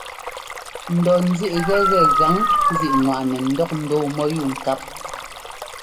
N dɔ ńzíꞌ gɛgɛ gaŋzíꞌŋwaꞌnɛ ńdɔk ndɔɔ mɔ́yúu ŋkáp.